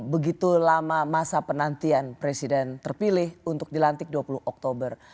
begitu lama masa penantian presiden terpilih untuk dilantik dua puluh oktober